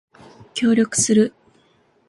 協力する